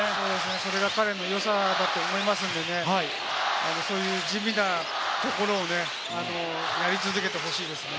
それが彼の良さだと思いますんでね、こういう地味なところをやり続けてほしいですね。